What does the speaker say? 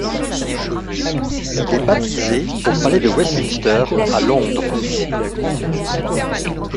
Il est baptisé au Palais de Westminster à Londres.